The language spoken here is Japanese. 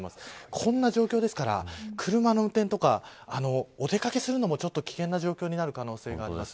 こんな状況ですから車の運転とか、お出掛けするのもちょっと危険な状況になる可能性があります。